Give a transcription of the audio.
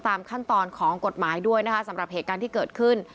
ตามขั้นตอนของกฎหมายด้วยนะคะสำหรับเหตุการณ์ที่เกิดขึ้น